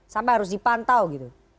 sampai harus dipantau gitu